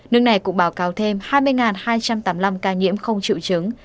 nước này cũng báo cáo thêm hai mươi hai trăm tám mươi năm ca nhiễm không chịu chứng